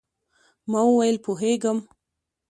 ما وویل، پوهېږم.